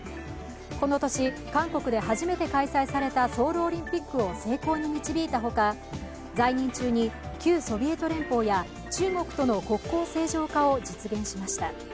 この年、韓国で初めて開催されたソウルオリンピックを成功に導いた他、在任中に旧ソビエト連邦や中国との国交正常化を実現しました。